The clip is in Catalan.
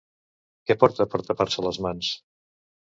Què porta per tapar-se les mans?